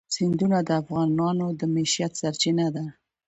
سیندونه د افغانانو د معیشت سرچینه ده.